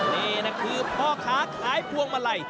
นี่นะคือพ่อค้าขายพวงมาลัย